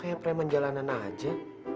kayak preman jalanan aja